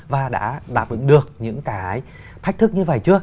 và đã đáp ứng được những cái thách thức như vậy chưa